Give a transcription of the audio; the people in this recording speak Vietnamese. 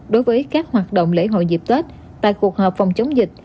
đối với các hoạt động lễ hội dịp tết tại cuộc họp phòng chống dịch